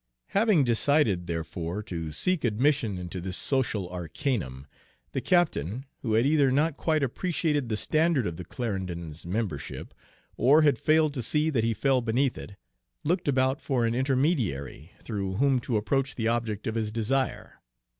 Having decided, therefore, to seek admission into this social arcanum, the captain, who had either not quite appreciated the standard of the Clarendon's membership, or had failed to see that he fell beneath it, looked about for an intermediary through whom to approach the object of his desire.